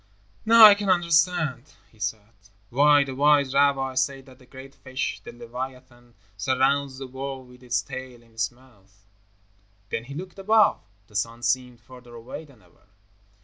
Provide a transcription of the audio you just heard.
"Now I can understand," he said, "why the wise rabbis say that the great fish, the leviathan, surrounds the world with its tail in its mouth." Then he looked above. The sun seemed further away than ever.